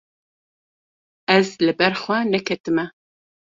Ez li ber xwe neketime.